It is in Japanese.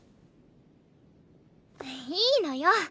いいのよ。